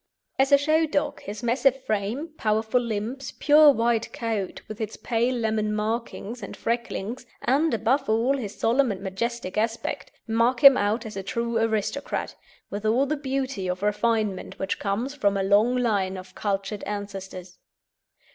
As a show dog, his massive frame, powerful limbs, pure white coat, with its pale lemon markings and frecklings, and, above all, his solemn and majestic aspect, mark him out as a true aristocrat, with all the beauty of refinement which comes from a long line of cultured ancestors.